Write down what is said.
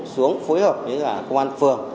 xuống phối hợp với công an phường